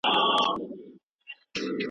د روښان د حماسي برخې لپاره باید ساحه وکتل سي.